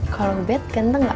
kalau ubed ganteng gak